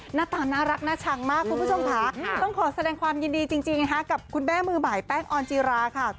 หน้าตาน่ารักน่าชังมากคุณผู้ชมค่ะต้องขอแสดงความยินดีจริงนะคะกับคุณแม่มือบ่ายแป้งออนจีราค่ะ